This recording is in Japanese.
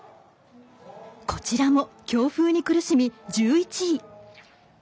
こちらも強風に苦しみ１１位。